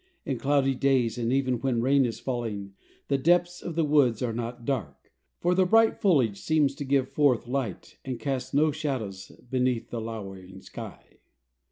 In cloudy days and even when rain is falling the depths of the woods are not dark, for the bright foliage seems to give forth light and casts no shadows beneath the lowering sky.